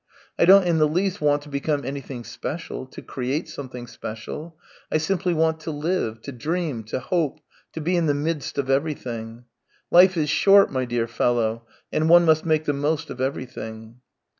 I don't in the least want to become anything special, to create something great. I simply want to live, to dream, to hope, to be in the midst of everything. ... Life is short, my dear fellow, and one must make the most of everything."